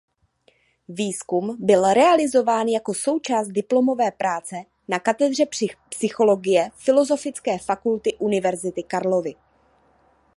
Výzkum byl realizován jako součást diplomové práce na katedře psychologie Filozofické fakulty Univerzity Karlovy.